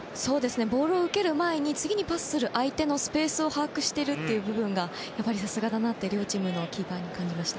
ボールを受ける前に次にパスする相手のスペースを把握しているという部分がやはり、さすがだなって両チームのキーパーに感じました。